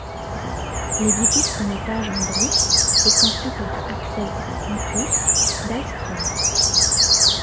L'édifice d'un étage en briques est conçu par Axel Hampus Dalström.